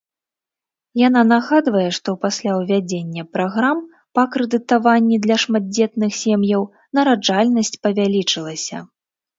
Яна нагадвае, што пасля ўвядзення праграм па крэдытаванні для шматдзетных сем'яў нараджальнасць павялічылася.